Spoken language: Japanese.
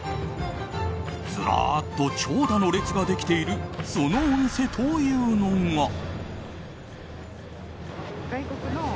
ずらっと長蛇の列ができているそのお店というのが。